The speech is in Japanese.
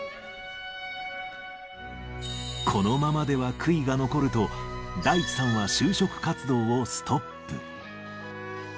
このままでは悔いが残ると、大智さんは就職活動をストップ。